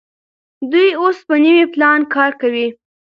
دوی اوس په نوي پلان کار کوي.